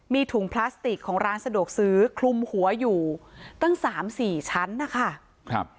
มีถุงพลาสติกของร้านสะดวกซื้อคลุมหัวอยู่ตั้งสามสี่ชั้นนะคะครับ